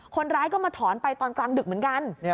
คนร้ายก็มาถอนไปตอนกลางดึกเหมือนกัน